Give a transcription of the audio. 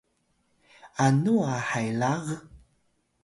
aynu’ a’ haylag?